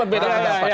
biar lah pak beda